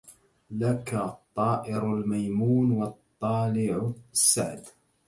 لك الطائر الميمون والطالع السعد